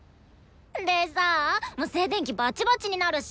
でさ静電気バチバチになるし。